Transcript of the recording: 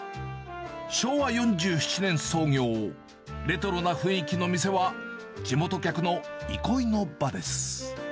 昭和４７年創業、レトロな雰囲気の店は、地元客の憩いの場です。